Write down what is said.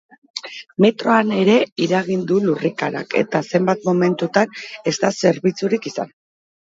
Metroan ere eragin du lurrikarak, eta zenbat momentutan ez da zerbituzik izan.